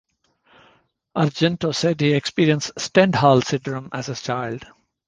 Argento said he experienced Stendhal syndrome as a child.